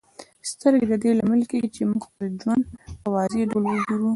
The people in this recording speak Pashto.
سترګې د دې لامل کیږي چې موږ خپل ژوند په واضح ډول وګورو.